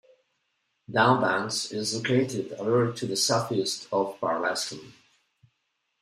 Downs Banks is located a little to the south-east of Barlaston.